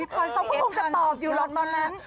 พี่พรภงจะตอบอยู่หรอกตอนนั้น